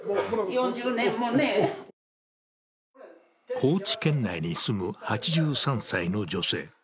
高知県内に住む８３歳の女性。